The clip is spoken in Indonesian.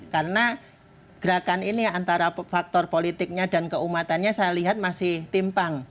karena gerakan ini antara faktor politiknya dan keumatannya saya lihat masih timpang